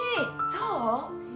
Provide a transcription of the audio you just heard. そう？